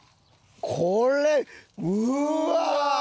これうわー！